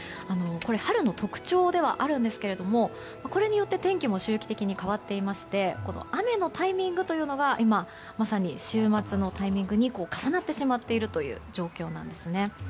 春の特徴ではあるんですがこれによって天気も周期的に変わっていまして雨のタイミングというのが今、まさに週末のタイミングに重なってしまっている状況なんです。